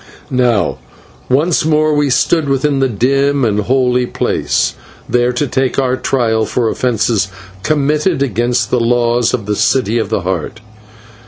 Now once more we stood within the dim and holy place, there to take our trial for offences committed against the laws of the City of the Heart.